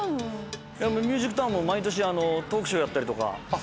ミュージックタウンも毎年トークショーやったり。